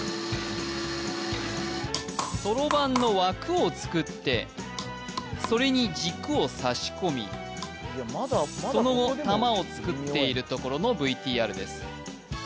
そろばんの枠を作ってそれに軸を差し込みその後玉を作っているところのＶＴＲです